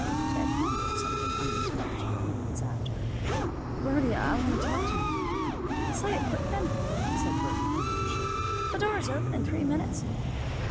Ted mumbled something unintelligible and was after her. "Birdie! I want to talk to you." "Say it quick then," said Birdie, over her shoulder. "The doors open in three minnits."